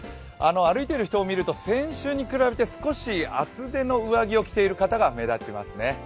歩いている人を見ると先週に比べて少し厚手の上着を着ている方が目立ちますね。